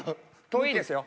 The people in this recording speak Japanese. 遠いですよ。